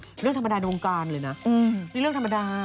เรื่องธรรมดาในวงการเลยนะนี่เรื่องธรรมดา